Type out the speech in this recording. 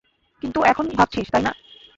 কিন্তু এখন ভাবছিস, তাই না?